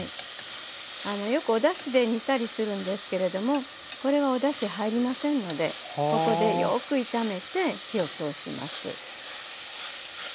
あのよくおだしで煮たりするんですけれどもこれはおだし入りませんのでここでよく炒めて火を通します。